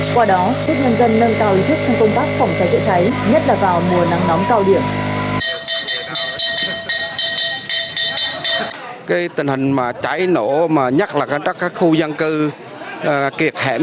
qua đó giúp nhân dân nâng cao ý thức trong công tác phòng cháy chữa cháy nhất là vào mùa nắng nóng cao điểm